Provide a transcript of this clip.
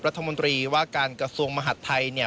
รัฐมนตรีว่าการกระทรวงมหาดไทย